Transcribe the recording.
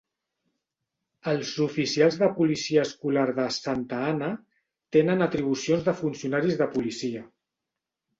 Els oficials de policia escolar de Santa Ana tenen atribucions de funcionaris de policia.